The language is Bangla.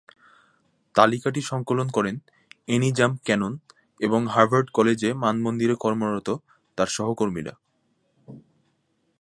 তালিকাটি সংকলন করেন এনি জাম্প ক্যানন এবং হার্ভার্ড কলেজ মানমন্দিরে কর্মরত তার সহকর্মীরা।